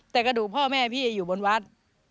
แต่กระดูกพ่อแม่พี่อยู่บนวัด